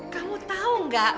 kamu tau gak